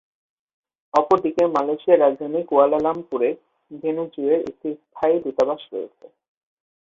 অপরদিকে, মালয়েশিয়ার রাজধানী কুয়ালালামপুরে, ভেনেজুয়েলার একটি স্থায়ী দূতাবাস রয়েছে।